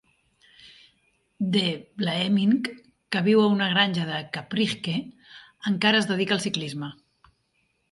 De Vlaeminck, que viu a una granja a Kaprijke, encara es dedica al ciclisme.